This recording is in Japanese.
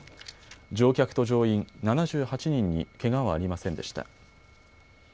乗客と乗員７８人にけがはありませんでした。